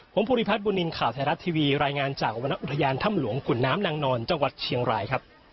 ผมภูริพัฒนบุญนินทร์ข่าวไทยรัฐทีวีรายงานจากวรรณอุทยานถ้ำหลวงขุนน้ำนางนอนจังหวัดเชียงรายครับ